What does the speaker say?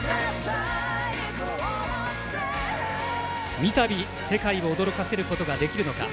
三度、世界を驚かせることができるのか。